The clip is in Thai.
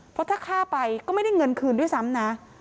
เพราะถ้าฆ่าไปก็ไม่ได้เงินคืนด้วยซ้ำนะ